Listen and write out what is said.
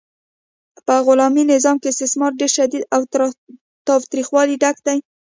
په غلامي نظام کې استثمار ډیر شدید او له تاوتریخوالي ډک و.